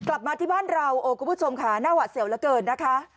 กลับมาที่บ้านเราโอ้คุณผู้ชมค่ะหน้าหวัดเสี่ยวเหลือเกินนะคะ